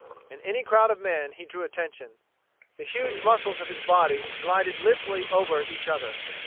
In any crowd of men he drew attention. The huge muscles of his body glided lithely over each other.